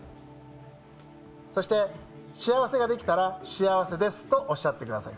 そして幸せができたら幸せですとおっしゃってください。